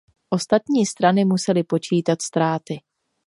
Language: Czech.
Ostatní strany musely počítat ztráty.